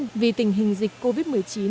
trong tình hình dịch covid một mươi chín